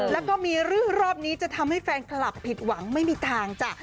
แล้วก็มีเรื่องรอบนี้จะทำให้แฟนคลับผิดหวังไม่มีทางจ้ะ